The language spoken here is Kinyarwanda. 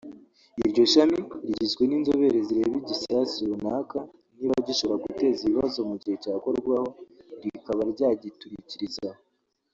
Iryo shami rigizwe n’inzobere zireba igisasu runaka niba gishobora guteza ibibazo mu gihe cyakorwaho rikaba ryagiturikiriza aho